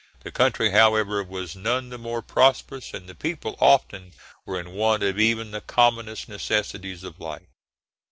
The country, however, was none the more prosperous, and the people often were in want of even the commonest necessaries of life.